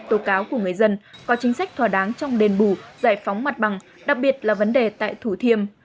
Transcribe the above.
tố cáo của người dân có chính sách thỏa đáng trong đền bù giải phóng mặt bằng đặc biệt là vấn đề tại thủ thiêm